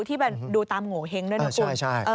ที่ดูตามโงเห้งด้วยนะคุณ